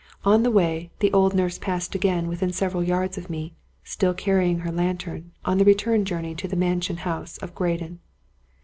On the way, the old nurse passed again within several yards of me, still carrying her lantern, on the return journey to the mansion house of Graden.